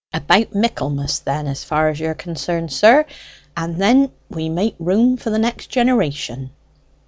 "About Michaelmas, then, as far as you are concerned, sir, and then we make room for the next generation."